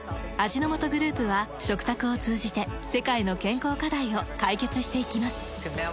味の素グループは食卓を通じて世界の健康課題を解決していきます。